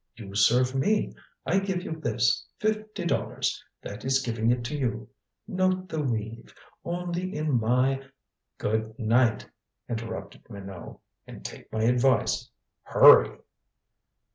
You serve me. I give you this. Fifty dollars. That is giving it to you. Note the weave. Only in my " "Good night," interrupted Minot. "And take my advice. Hurry!"